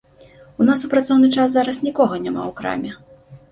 У нас у працоўны час зараз нікога няма ў краме.